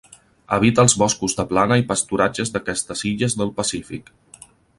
Habita els boscos de plana i pasturatges d'aquestes illes del Pacífic.